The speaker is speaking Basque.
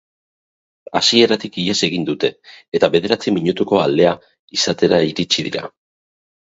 Hasieratik ihes egin dute, eta bederatzi minutuko aldea izatera iritsi dira.